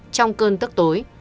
trong cơn tức tối